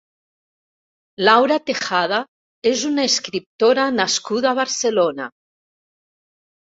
Laura Tejada és una escriptora nascuda a Barcelona.